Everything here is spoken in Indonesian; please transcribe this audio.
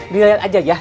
dilihat aja ya